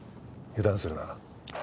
油断するな。